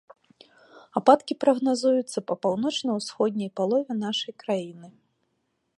Ападкі прагназуюцца па паўночна-ўсходняй палове нашай краіны.